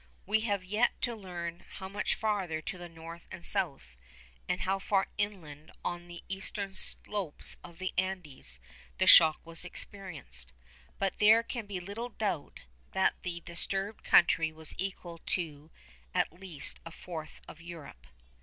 We have yet to learn how much farther to the north and south, and how far inland on the eastern slopes of the Andes, the shock was experienced. But there can be little doubt that the disturbed country was equal to at least a fourth of Europe.